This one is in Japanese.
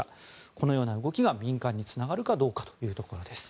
このような動きが民間につながるかどうかというところです。